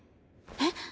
えっ